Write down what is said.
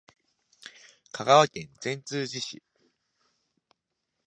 香川県善通寺市